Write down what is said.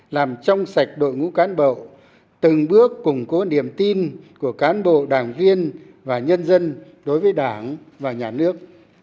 làm trong sạch đội ngũ cán bộ từng bước củng cố niềm tin của cán bộ đảng viên và nhân dân đối với đảng và nhà nước